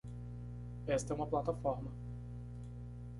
Esta é uma plataforma